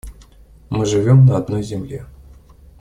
Мы живем на одной земле.